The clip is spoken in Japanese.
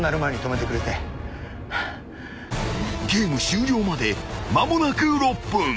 ［ゲーム終了まで間もなく６分］